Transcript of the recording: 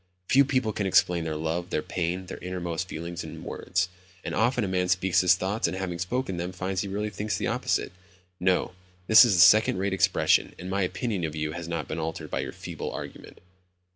Few people can explain their love, their pain, their innermost feelings in words. And often a man speaks his thoughts, and having spoken them, finds he really thinks the opposite. No, this is second rate expression and my opinion of you has not been altered by your feeble argument."